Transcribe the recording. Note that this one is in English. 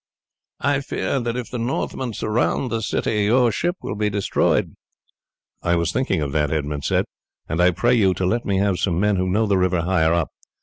"I fear that if the Northmen surround the city your ship will be destroyed." "I was thinking of that," Edmund said, "and I pray you to let me have some men who know the river higher up.